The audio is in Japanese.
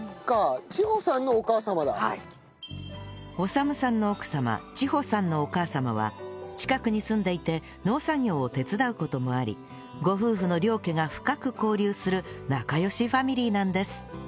長武さんの奥様千穂さんのお母様は近くに住んでいて農作業を手伝う事もありご夫婦の両家が深く交流する仲良しファミリーなんです